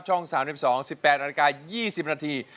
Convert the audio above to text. ช่อง๓๒๑๘อันดัก๒๐นาที